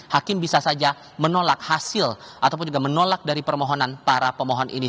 hakim bisa saja menolak hasil ataupun juga menolak dari permohonan para pemohon ini